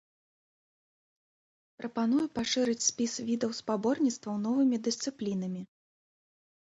Прапаную пашырыць спіс відаў спаборніцтваў новымі дысцыплінамі.